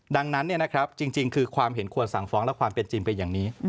ดังนั้นจริงคือความเห็นควรสั่งฟ้องและความเป็นจริงเป็นอย่างนี้